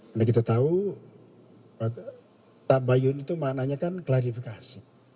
karena kita tahu tabayun itu maknanya kan klarifikasi